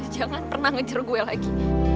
jangan pernah ngejar gue lagi